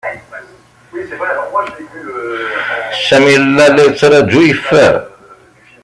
Sami yella la yettṛaju yeffer.